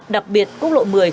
đặc biệt quốc lộ một mươi